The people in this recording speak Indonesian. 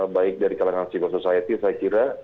baik dari kalangan civil society saya kira